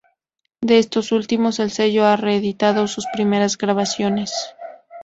De estos últimos el sello ha reeditado sus primeras grabaciones.